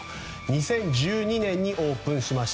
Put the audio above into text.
２０１２年にオープンしました。